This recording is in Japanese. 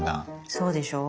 そうでしょう？